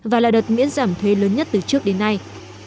và là đợt miễn giảm thuế lớn nhất từ trước đến nay